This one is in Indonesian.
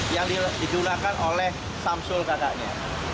yang didulakan oleh samsul kakaknya